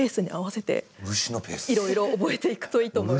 いろいろ覚えていくといいと思います。